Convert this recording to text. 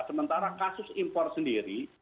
sementara kasus impor sendiri